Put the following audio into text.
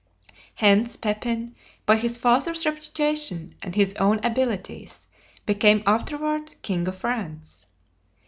Hence, Pepin, by his father's reputation and his own abilities, became afterward king of France.